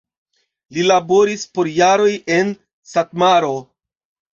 Li laboris por jaroj en Satmaro.